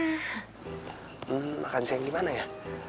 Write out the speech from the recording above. ehm makan siang dimana ya